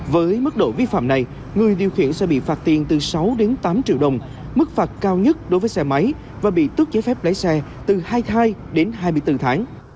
với mức độ vi phạm này người điều khiển sẽ bị phạt tiền từ sáu đến tám triệu đồng mức phạt cao nhất đối với xe máy và bị tước giấy phép lấy xe từ hai thai đến hai mươi bốn tháng